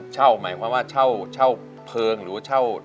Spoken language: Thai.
เช่าหมายความว่าเช่าเพลิงหรือเช่าที่